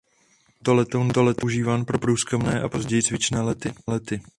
Tento letoun byl používán pro průzkumné a později cvičné lety.